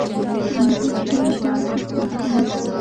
چې هر چا ته حق ورکوي.